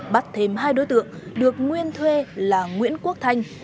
bắt thêm hai đối tượng được nguyên thuê là nguyễn quốc thanh và lý minh tránh